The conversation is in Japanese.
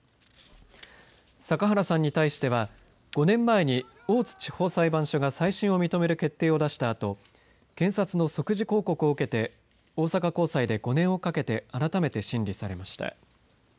阪原さんに対しては５年前に大津地方裁判所が再審を認める決定を出したあと検察の即時抗告を受けて大阪高裁で５年をかけて改めて審理されました。